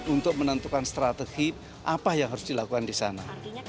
untuk menentukan strategi apa yang harus dilakukan di sana